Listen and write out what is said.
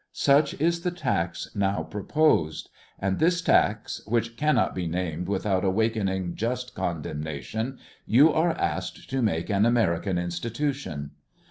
Such is the tax now proposed. And this tax, which cannot be named without awakening just condemnation, you are asked to make an American in stitution.